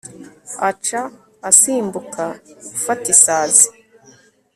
aca asimbuka gufata isazi